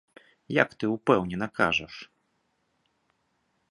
Як ты ўпэўнена кажаш!